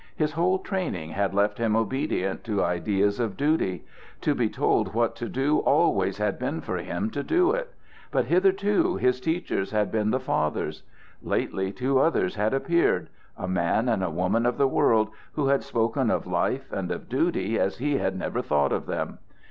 His whole training had left him obedient to ideas of duty. To be told what to do always had been for him to do it. But hitherto his teachers had been the fathers. Lately two others had appeared a man and a woman of the world, who had spoken of life and of duty as he had never thought of them.